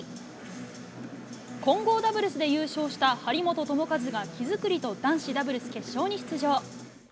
混合ダブルスで優勝した張本智和が、木造と男子ダブルス決勝に出場。